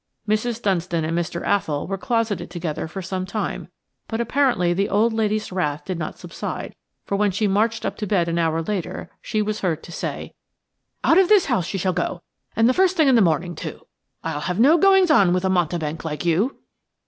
Mrs. Dunstan and Mr. Athol were closeted together for some time; but apparently the old lady's wrath did not subside, for when she marched up to bed an hour later she was heard to say: "Out of this house she shall go, and the first thing in the morning, too. I'll have no goings on with a mountebank like you."